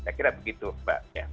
saya kira begitu mbak